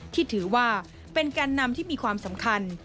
ที่ถือว่าเป็นแกนนำที่มีความสำคัญ